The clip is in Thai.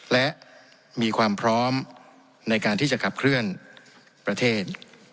และมีความพร้อมในการที่จะขับเคลื่อนประเทศ